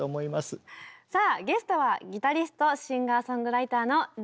さあゲストはギタリスト・シンガーソングライターのＲｅｉさんです。